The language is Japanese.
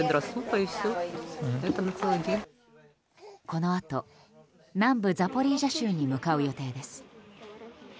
このあと南部ザポリージャ州に向かう予定です。